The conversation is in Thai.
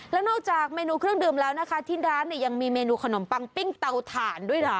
แล้วนอกจากเมนูเครื่องดื่มแล้วนะคะที่ร้านเนี่ยยังมีเมนูขนมปังปิ้งเตาถ่านด้วยนะ